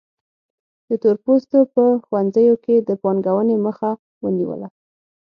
د تور پوستو په ښوونځیو کې د پانګونې مخه ونیوله.